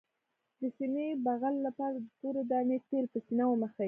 د سینې بغل لپاره د تورې دانې تېل په سینه ومښئ